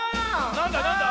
なんだなんだ？